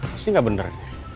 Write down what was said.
pasti gak bener